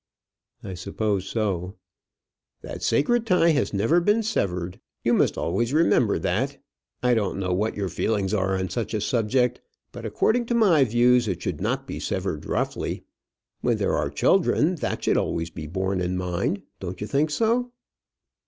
"I suppose so." "That sacred tie has never been severed. You must always remember that. I don't know what your feelings are on such a subject, but according to my views it should not be severed roughly. When there are children, that should always be borne in mind. Don't you think so?"